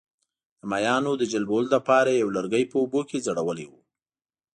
د ماهیانو د جلبولو لپاره یې یو لرګی په اوبو کې ځړولی وو.